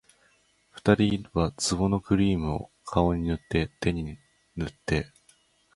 二人は壺のクリームを、顔に塗って手に塗って